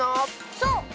そう。